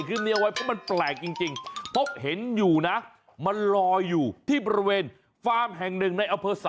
ใครเห็นช้างมันดูนะ